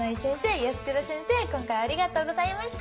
今回はありがとうございました。